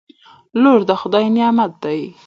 لور دخدای نعمت ده